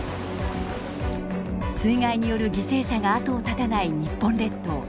水害による犠牲者が後を絶たない日本列島。